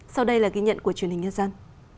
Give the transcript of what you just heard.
sau đây là ghi nhận của truyền hình nhân dân